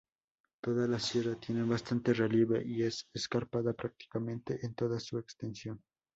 Toda la sierra tiene bastante relieve y es escarpada prácticamente en toda su extensión.